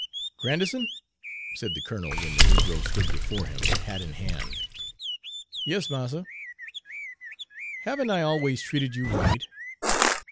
"Grandison," said the colonel, when the negro stood before him, hat in hand. "Yas, marster." "Have n't I always treated you right?"